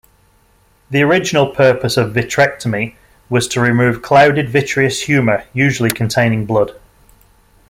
The original purpose of vitrectomy was to remove clouded vitreous humor-usually containing blood.